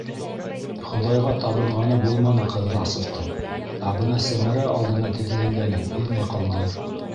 Хоҙайға табынғаны булманы Ҡыҙрасовтың. ә бына Сәмәрә алдына теҙләнгәнен һиҙмәй ҡалды.